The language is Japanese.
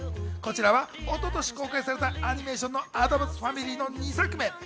こちらは一昨年公開されたアニメーションの『アダムス・ファミリー』の２作目。